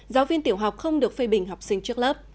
giáo viên tiểu học không được phê bình học sinh trước lớp